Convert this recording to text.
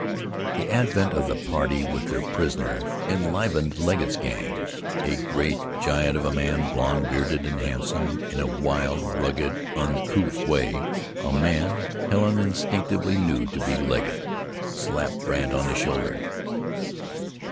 The advent of the party with their prisoner enlivened Legget's gang. A great giant of a man, blond bearded, and handsome in a wild, rugged, uncouth way, a man Helen instinctively knew to be Legget, slapped Brandt on the shoulder.